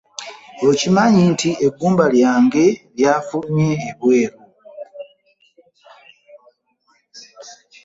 Okimanyi nti egumba lyange lya fulumye ebwe ru.